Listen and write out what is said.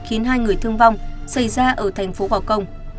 khiến hai người thương vong xảy ra ở thành phố gò công